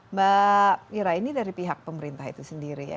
mbak wira ini dari pihak pemerintah itu sendiri ya